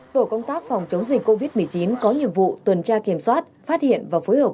tổ công tác phòng chống dịch covid một mươi chín có nhiệm vụ tuần tra kiểm soát phát hiện và phối hợp